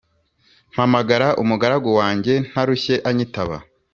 mpamagara umugaragu wanjye ntarushye anyitaba,